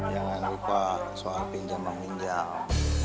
jangan lupa soal pinjaman pinjam